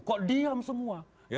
kok diam semua